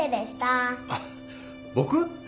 あっ僕？